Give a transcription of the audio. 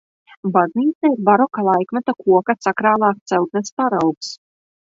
Baznīca ir baroka laikmeta koka sakrālās celtnes paraugs.